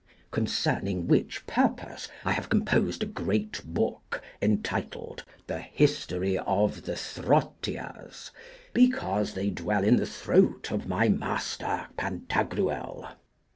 Concerning which purpose I have composed a great book, entitled, The History of the Throttias, because they dwell in the throat of my master Pantagruel.